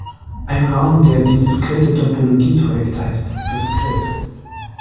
Ein Raum, der die diskrete Topologie trägt, heißt "diskret".